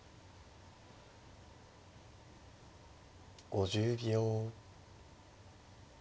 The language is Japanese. ５０秒。